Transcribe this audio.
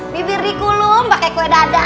bibir dikulung pake kue dadar